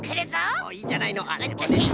おおいいじゃないの。